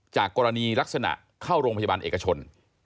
จากกรณีลักษณะเข้าโรงพยาบาลเอกชน